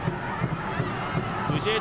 藤枝